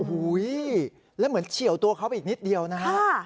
อุ้ยแล้วเหมือนเฉียวตัวเขาอีกนิดเดียวนะครับ